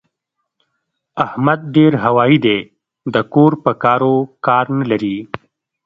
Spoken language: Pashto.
احمد ډېر هوايي دی؛ د کور په کارو کار نه لري.